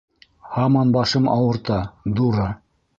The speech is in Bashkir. Һаман башым ауырта, дура!